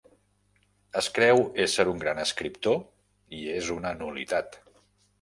Es creu ésser un gran escriptor i és una nul·litat.